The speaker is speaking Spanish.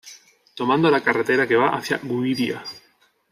Tomando la carretera que va hacia Güiria.